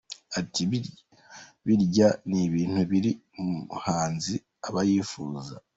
Ati ``Birya ni ibintu buri muhanzi aba yifuza’’.